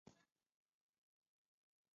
耳笔螺为笔螺科焰笔螺属下的一个种。